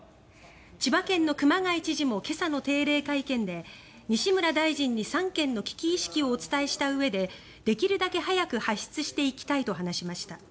千葉県の熊谷知事も今朝の定例会見で西村大臣に３県の危機意識をお伝えしたうえでできるだけ早く発出していきたいと話しました。